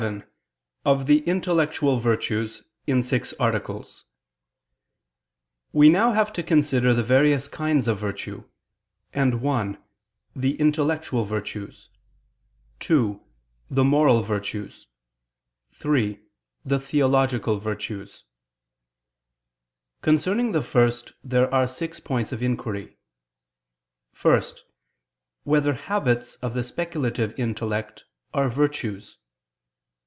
________________________ QUESTION 57 OF THE INTELLECTUAL VIRTUES (In Six Articles) We now have to consider the various kinds of virtue: and (1) the intellectual virtues; (2) the moral virtues; (3) the theological virtues. Concerning the first there are six points of inquiry: (1) Whether habits of the speculative intellect are virtues?